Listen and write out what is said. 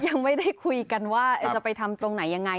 ยังไม่ได้คุยกันว่าจะไปทำตรงไหนยังไง